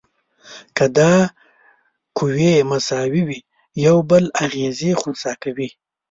که دا قوې مساوي وي یو بل اغیزې خنثی کوي.